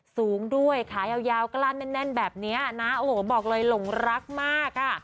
สูงด้วยขายาวกล้านแน่นแบบนี้นะโอ้โหบอกเลยหลงรักมากอ่ะ